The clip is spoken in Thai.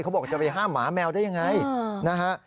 เขาบอกจะไปห้ามหมาแมวได้ยังไงนะฮะ